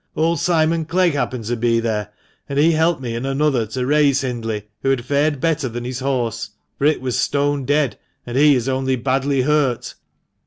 Old Simon Clegg happened to be there, and he helped me and another to raise Hindley, who had fared better than his horse, for it was stone dead, and he is only badly hurt."